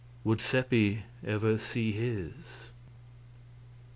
Would Seppi ever see his?